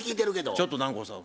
ちょっと南光さん